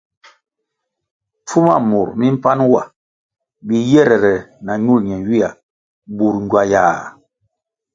Pfuma mur mi mpan wa biyere na ñul ñenywia bur ngywayah.